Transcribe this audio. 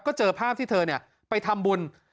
ก็เจอภาพที่เธอไปทำบุญ